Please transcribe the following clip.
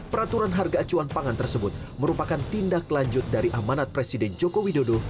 peraturan harga acuan pangan tersebut merupakan tindak lanjut dari amanat presiden joko widodo